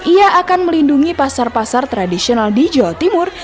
ia akan melindungi pasar pasar tradisional di jawa timur